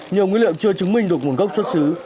nhiều nguyên liệu chưa chứng minh được nguồn gốc xuất xứ